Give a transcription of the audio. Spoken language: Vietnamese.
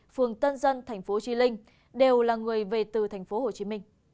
phường tân dân tp hcm đều là người về từ tp hcm